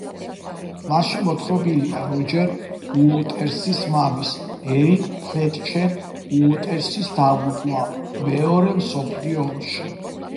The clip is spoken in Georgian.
მასში მოთხრობილია როჯერ უოტერსის მამის, ერიკ ფლეტჩერ უოტერსის დაღუპვა მეორე მსოფლიო ომში.